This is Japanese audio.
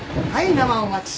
生お待ち。